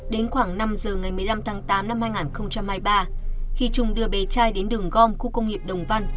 đến khoảng năm giờ ngày một mươi năm tháng tám năm hai nghìn hai mươi ba khi trung đưa bé trai đến đường gom khu công nghiệp đồng văn